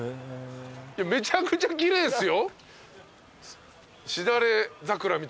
めちゃくちゃ奇麗っすよ。